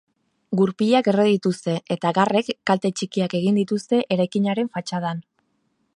Gurpilak erre dituzte, eta garrek kalte txikiak egin dituzte eraikinaren fatxadan.